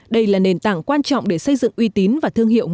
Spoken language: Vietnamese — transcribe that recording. đây là nền tảng quan trọng để xây dựng uy tín và thương hiệu